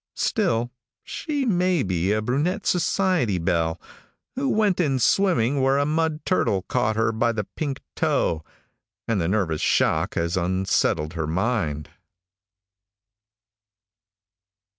Still, she may be a brunette society belle, who went in swimming where a mud turtle caught her by the pink toe, and the nervous shock has unsettled her mind.